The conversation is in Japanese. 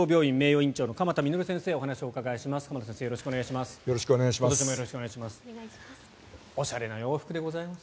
今年もよろしくお願いします。